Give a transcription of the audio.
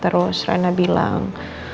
terus rena bilang